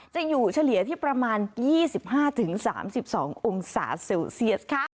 จะอยู่เฉลี่ยที่ประมาณ๒๕๓๒องศาเซลเซียสค่ะ